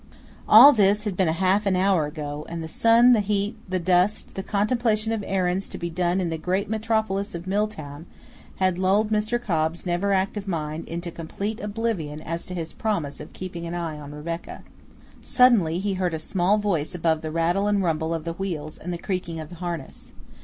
All this had been half an hour ago, and the sun, the heat, the dust, the contemplation of errands to be done in the great metropolis of Milltown, had lulled Mr. Cobb's never active mind into complete oblivion as to his promise of keeping an eye on Rebecca. Suddenly he heard a small voice above the rattle and rumble of the wheels and the creaking of the harness.